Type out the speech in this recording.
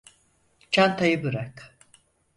Çantayı bırak.